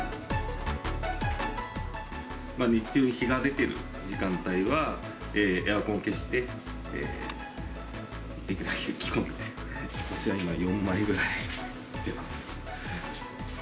日中、日が出てる時間帯はエアコン消して、できるだけ着込んで、私は今、４枚ぐらい着てます。